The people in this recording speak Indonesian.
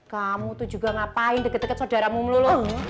kamu tuh juga ngapain deket deket saudaramu melulu